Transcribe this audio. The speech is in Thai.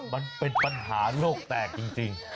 มันเป็นปัญหาโรคแตกจริง